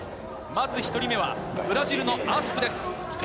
まず１人目はブラジルのアスプです。